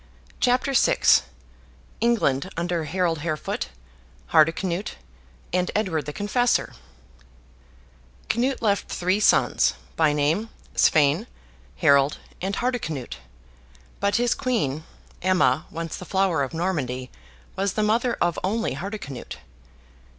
CHAPTER VI ENGLAND UNDER HAROLD HAREFOOT, HARDICANUTE, AND EDWARD THE CONFESSOR Canute left three sons, by name Sweyn, Harold, and Hardicanute; but his Queen, Emma, once the Flower of Normandy, was the mother of only Hardicanute.